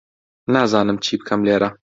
نازانم چی بکەم لێرە.